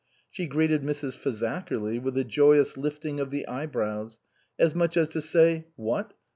She greeted Mrs. Fazakerly with a joyous lifting of the eye brows, as much as to say, " What